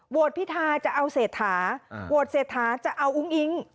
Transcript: พิธาจะเอาเศรษฐาโหวตเศรษฐาจะเอาอุ้งอิ๊ง